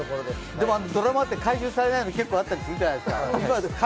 でもドラマって回収されないの結構あるじゃないですか。